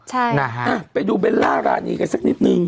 ใช่นะฮะไปดูเบลล่ารานีกันสักนิดนึง